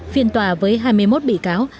phiên tòa với hai mươi một bị cáo